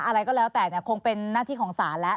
อะไรก็แล้วแต่คงเป็นหน้าที่ของศาลแล้ว